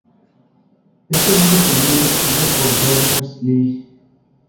Es el único libro escrito por Berners-Lee.